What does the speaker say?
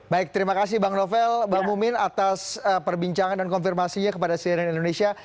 baik terima kasih bang novel bang mumin atas perbincangan dan konfirmasinya kepada cnn indonesia